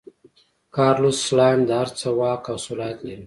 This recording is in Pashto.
کارلوس سلایم د هر څه واک او صلاحیت لري.